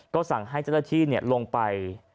ก็สั่งให้เจ้าหน้าที่ลงไป